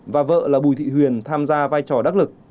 và vợ là bùi thị huyền tham gia vai trò đắc lực